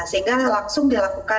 sehingga langsung dilakukan